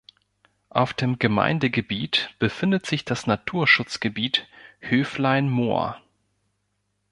Auf dem Gemeindegebiet befindet sich das Naturschutzgebiet Höflein-Moor.